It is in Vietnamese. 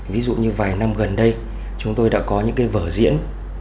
ví dụ như vài năm gần đây chúng tôi đã có những cái vở diễn